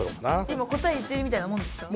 今答え言ってるみたいなもんですか？